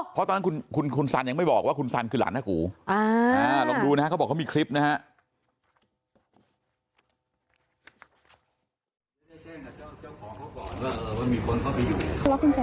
เพราะตอนนั้นคุณซันยังไม่บอกว่าคุณสันคือหลานหน้ากูลองดูนะฮะเขาบอกเขามีคลิปนะฮะ